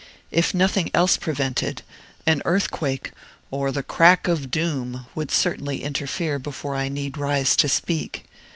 If nothing else prevented, an earthquake or the crack of doom would certainly interfere before I need rise to speak.